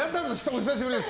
お久しぶりです。